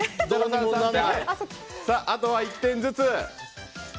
あとは１点ずつ。